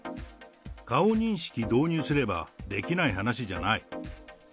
顔認識導入すれば、できない話じゃない。